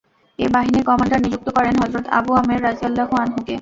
এ বাহিনীর কমান্ডার নিযুক্ত করেন হযরত আবু আমের রাযিয়াল্লাহু আনহু-কে।